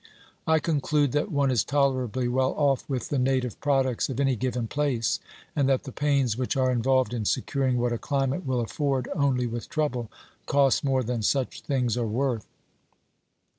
I conclude that one is tolerably well off with the native products of any given place, and that the pains which are involved in securing what a climate will afford only with trouble, cost more than such things are worth.